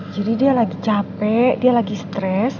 jadi dia lagi capek dia lagi stres